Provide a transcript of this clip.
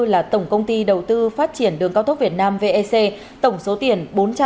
là tổng công ty đầu tư phát triển đường cao tốc việt nam vec tổng số tiền